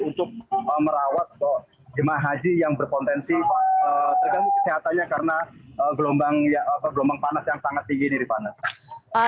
untuk merawat jemaah haji yang berpotensi tergantung kesehatannya karena gelombang panas yang sangat tinggi ini rifana